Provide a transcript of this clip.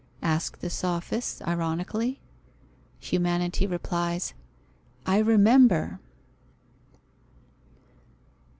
asks the sophist, ironically. Humanity replies "I remember."